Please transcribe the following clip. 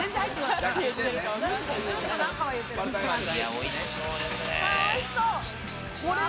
おいしそうですね。